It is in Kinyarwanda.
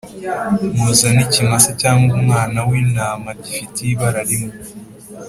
Muzane ikimasa cyangwa umwana w’intama gifite ibara rimwe